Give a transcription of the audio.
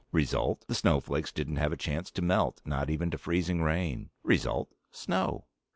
Result: the snowflakes didn't have a chance to melt, not even to freezing rain. Result: snow!"